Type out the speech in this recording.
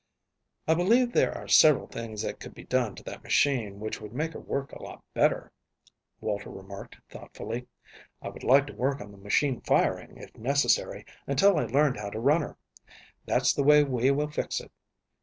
"I believe there are several things that could be done to that machine which would make her work a lot better," Walter remarked thoughtfully. "I would like to work on the machine firing, if necessary, until I learned how to run her. That's the way we will fix it.